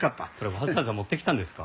わざわざ持ってきたんですか？